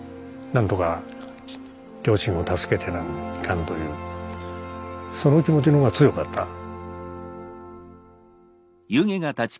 何とか両親を助けてやらないかんというその気持ちの方が強かった。